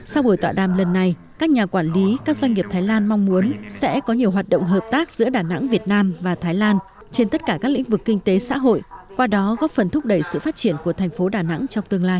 sau buổi tọa đàm lần này các nhà quản lý các doanh nghiệp thái lan mong muốn sẽ có nhiều hoạt động hợp tác giữa đà nẵng việt nam và thái lan trên tất cả các lĩnh vực kinh tế xã hội qua đó góp phần thúc đẩy sự phát triển của thành phố đà nẵng trong tương lai